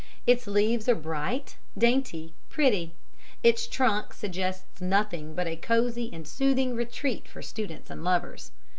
Its leaves are bright, dainty, pretty; its trunk suggests nothing but a cosy and soothing retreat for students and lovers.